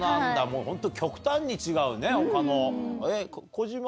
もうホント極端に違うね他の。